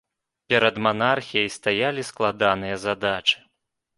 Перад манархіяй стаялі складаныя задачы.